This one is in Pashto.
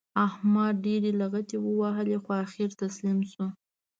احمد ډېرې لغتې ووهلې؛ خو اخېر تسلیم شو.